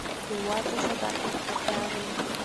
هېواد ته صداقت پکار دی